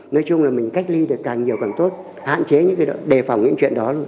nói chung là mình cách ly được càng nhiều càng tốt hạn chế những đề phòng những chuyện đó